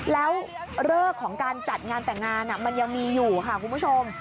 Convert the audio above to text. แล้วเลิกของการจัดงานแต่งงานมันยังมีอยู่ค่ะคุณผู้ชม